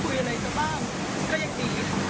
ก็อย่างดี